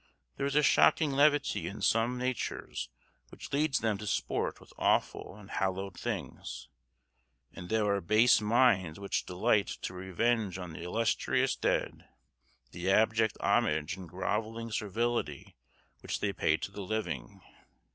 There is a shocking levity in some natures which leads them to sport with awful and hallowed things, and there are base minds which delight to revenge on the illustrious dead the abject homage and grovelling servility which they pay to the living.